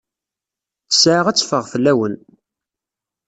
Ttesɛa ad teffeɣ fell-awen.